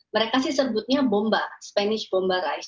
mereka sih sebutnya bomba spanish bomba rice